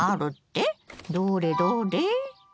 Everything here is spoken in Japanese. どれどれ？